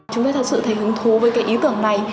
chúng tôi thật sự thấy hứng thú với cái ý tưởng này